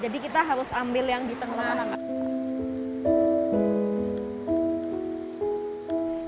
jadi kita harus ambil yang di tengah